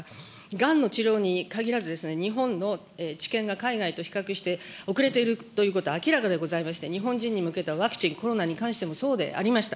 がんの治療に限らず、日本の治験が海外と比較して遅れているということは明らかでございまして、日本人に向けたワクチン、コロナに関してもそうでありました。